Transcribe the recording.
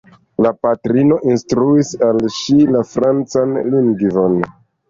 La patrino instruis al ŝi la francan lingvon.